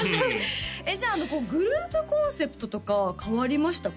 じゃあグループコンセプトとか変わりましたか？